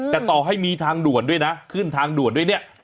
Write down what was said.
แต่ต่อให้มีทางด่วนด้วยนะขึ้นทางด่วนด้วยเนี่ย